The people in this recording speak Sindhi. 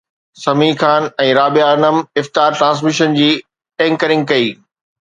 سميع خان ۽ رابعه انعم افطار ٽرانسميشن جي اينڪرنگ ڪئي